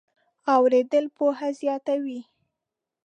اورېدل پوهه زیاتوي.